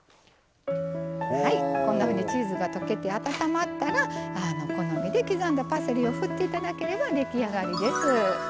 こんなふうにチーズが溶けて温まったら好みで刻んだパセリをふって頂ければ出来上がりです。